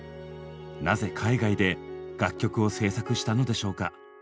なぜ海外で楽曲を制作したのでしょうか？